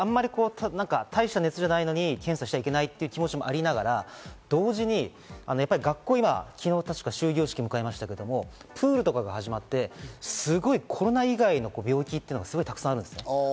大した熱じゃないのに検査しちゃいけないという気持ちもありながら、同時に学校、昨日確か終業式を迎えましたけどプールとかも始まって、すごいコロナ以外の病気っていうのがたくさんあるんですよね